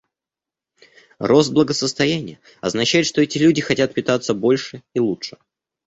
Рост благосостояния означает, что эти люди хотят питаться больше и лучше.